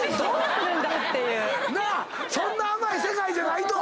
そんな甘い世界じゃないと。